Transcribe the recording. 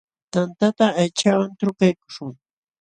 Tantata aychawan trukaykuśhun.